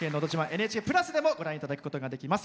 「ＮＨＫプラス」でもご覧いただくことができます。